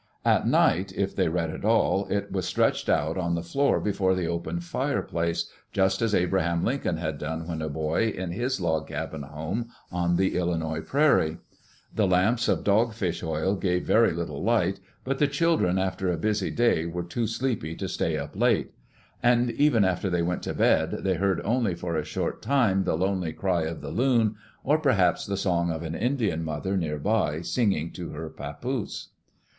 At night, if they read at all, it was stretched out on the floor before the open fireplace, just as Abraham Lincoln had done when a boy in his log cabin home on the Illinois prairie. The lamps of dogfish oil gave very little light. But the children, after a busy day, were too sleepy to stay up late. And even after they went to bed, they heard only for a short time the lonely cry of the loon, or perhaps the song of an Indian mother near by, singing to her papoose.